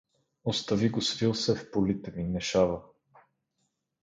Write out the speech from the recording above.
— Остави го, свил се е в полите ми, не шава.